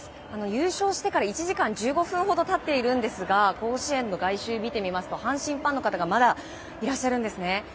優勝してから１時間１５分ほど経っているんですが甲子園の外周を見てみますと阪神ファンの方がまだ、いらっしゃるんですね。